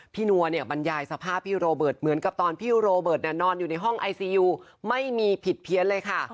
นัวเนี่ยบรรยายสภาพพี่โรเบิร์ตเหมือนกับตอนพี่โรเบิร์ตนอนอยู่ในห้องไอซียูไม่มีผิดเพี้ยนเลยค่ะ